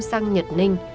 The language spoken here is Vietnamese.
sang nhật ninh